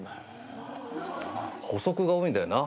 補足が多いんだよな。